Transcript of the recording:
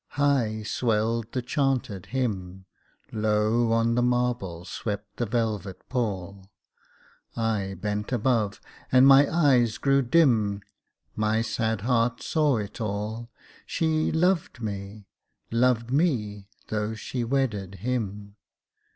High swelled the chanted hymn, Low on the marble swept the velvet pall, I bent above, and my eyes grew dim, My sad heart saw it all She loved me, loved me though she wedded him.